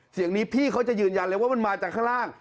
เสียงนี้พี่เขาจะยืนยันเลยว่ามันมาจากข้างล่าง